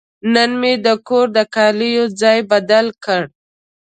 نن مې د کور د کالي ځای بدل کړ.